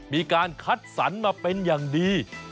มีการคัดสรรมาเป็นอย่างดี